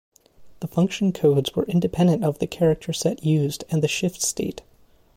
The function codes were independent of the character set used and the shift state.